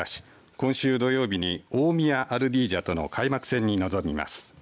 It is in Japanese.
今週土曜日に大宮アルディージャとの開幕戦に臨みます。